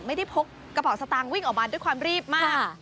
พกกระเป๋าสตางค์วิ่งออกมาด้วยความรีบมาก